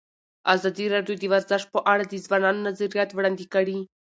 ازادي راډیو د ورزش په اړه د ځوانانو نظریات وړاندې کړي.